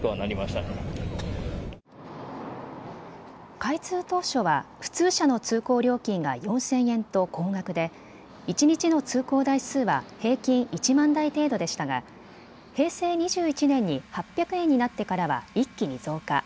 開通当初は普通車の通行料金が４０００円と高額で一日の通行台数は平均１万台程度でしたが平成２１年に８００円になってからは一気に増加。